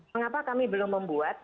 mengapa kami belum membuat